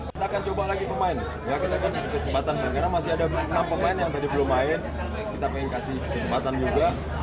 kita akan coba lagi pemain ya kita akan kasih kesempatan karena masih ada enam pemain yang tadi belum main kita pengen kasih kesempatan juga